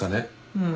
うん。